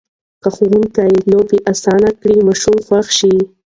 که ښوونکي لوبې اسانه کړي، ماشوم خوښ شي.